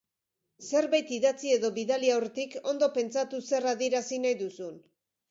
Zerbait idatzi edo bidali aurretik ondo pentsatu zer adierazi nahi duzun.